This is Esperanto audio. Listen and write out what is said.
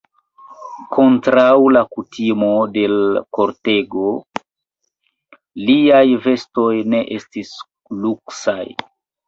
Kontraŭ la kutimo de l' kortego, liaj vestoj ne estis luksaj.